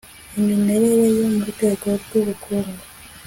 imimerere yo mu rwego rw'ubukungu